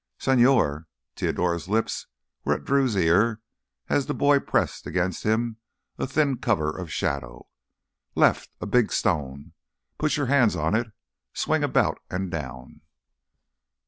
"Señor..." Teodoro's lips were at Drew's ear as the boy pressed against him in a thin cover of shadow. "Left—a big stone—put your hands on it—swing about and down."